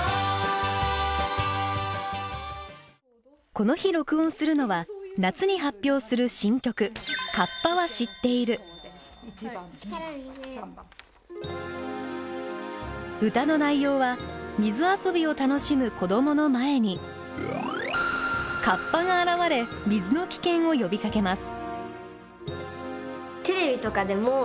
この日録音するのは夏に発表する歌の内容は水遊びを楽しむ子どもの前にカッパが現れ水の危険を呼びかけます。